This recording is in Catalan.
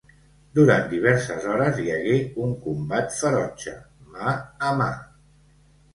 Durant diverses hores hi hagué un combat ferotge, mà a mà.